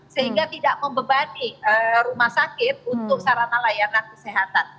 sehingga tidak membebani rumah sakit untuk sarana layanan kesehatan